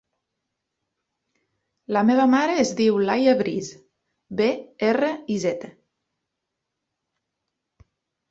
La meva mare es diu Laia Briz: be, erra, i, zeta.